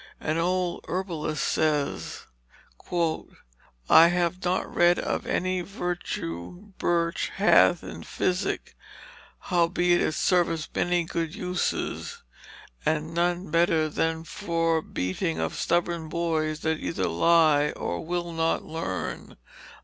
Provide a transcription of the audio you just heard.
An old herbalist says: "I have not red of any vertue byrche hath in physick, howbeit it serveth many good uses, and none better than for the betynge of stubborn boyes, that either lye or will not learn."